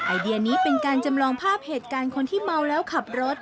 ไอเดียนี้เป็นการจำลองภาพเหตุการณ์คนที่เมาแล้วขับรถ